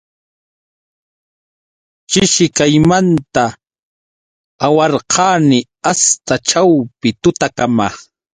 Chishikaymanta awarqani asta ćhawpi tutakama.